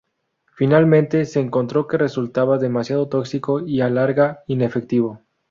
Finalmente se encontró que resultaba demasiado tóxico y a la larga inefectivo.